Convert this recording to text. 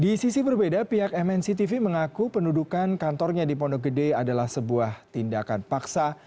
di sisi berbeda pihak mnctv mengaku pendudukan kantornya di pondok gede adalah sebuah tindakan paksa